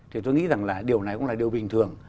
thì tôi nghĩ rằng là điều này cũng là điều bình thường